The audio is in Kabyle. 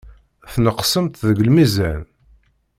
Tneqsemt deg lmizan.